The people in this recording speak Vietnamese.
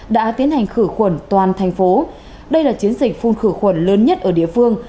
đã tiến hành khử khuẩn toàn thành phố đây là chiến dịch phun khử khuẩn lớn nhất ở địa phương